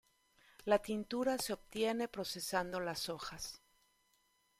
La tintura se obtiene procesando las hojas.